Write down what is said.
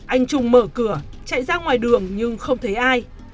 anh trung mở cửa chạy ra ngoài đường nhưng không thấy ai